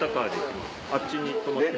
あっちに止まってる。